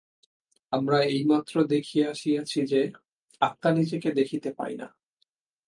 আমরা এইমাত্র দেখিয়া আসিয়াছি যে, আত্মা নিজেকে দেখিতে পায় না।